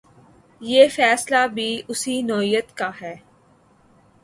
یہ فیصلہ بھی اسی نوعیت کا ہے۔